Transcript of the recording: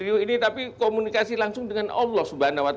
ini tapi komunikasi langsung dengan allah swt